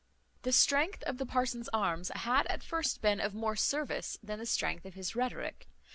The strength of the parson's arms had at first been of more service than the strength of his rhetoric.